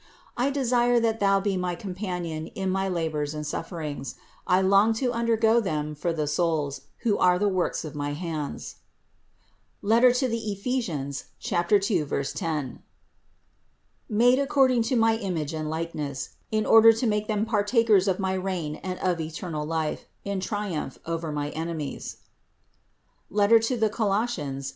I desire that Thou be my companion in my labors and sufferings; I long to undergo them for the souls, who are the works of my hands (Ephes. 2, 10), made according to my image and likeness, in order to make them partakers of my reign and of eternal life in triumph over my enemies (Coloss.